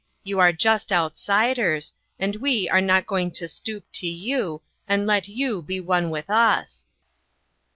You are just outsiders, and we are not going to stoop to you, and let you be one with us.'